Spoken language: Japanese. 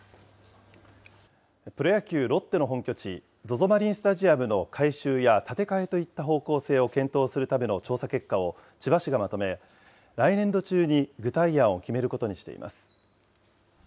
プロ野球・ロッテの本拠地、ＺＯＺＯマリンスタジアムの改修や建て替えといった方向性を検討するための調査結果を千葉市がまとめ、来年度中に具体案を決めることにしています。